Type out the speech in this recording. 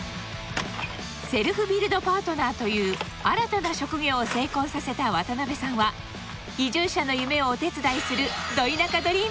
セルフビルドパートナーという新たな職業を成功させた渡辺さんは移住者の夢をお手伝いするド